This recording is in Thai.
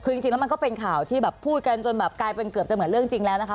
คือจริงแล้วมันก็เป็นข่าวที่แบบพูดกันจนแบบกลายเป็นเกือบจะเหมือนเรื่องจริงแล้วนะคะ